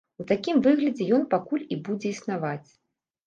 У такім выглядзе ён пакуль і будзе існаваць.